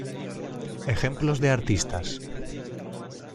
Ejemplos de Artistas